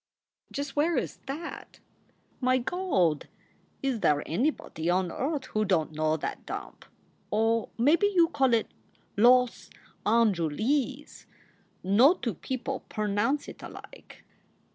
"Just where is that?" "My Gawd! Is there anybody on earth who don t know that dump? Or maybe you call it Loss Anjuleez. No two people pernounce it alike."